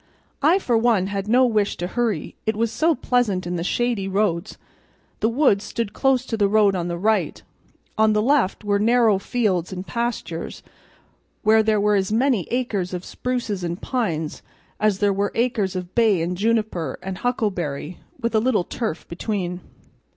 I for one had no wish to hurry, it was so pleasant in the shady roads. The woods stood close to the road on the right; on the left were narrow fields and pastures where there were as many acres of spruces and pines as there were acres of bay and juniper and huckleberry, with a little turf between.